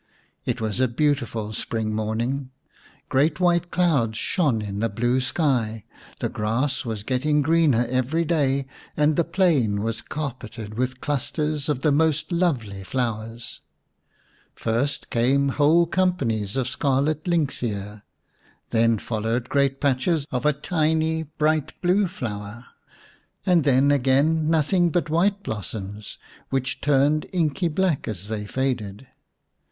It was a beautiful spring morning. Great white clouds shone in the blue sky, the grass was getting greener every day, and the plain was carpeted with clusters of the most lovely flowers. First came whole companies of scarlet lynx ear, then followed great patches of a tiny bright blue flower, and then again nothing but white blossoms, which turned inky black as they faded.